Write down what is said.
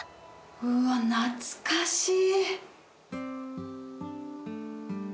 うわ懐かしい！